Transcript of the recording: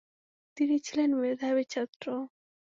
তিনি ছিলেন মেধাবী ছাত্র।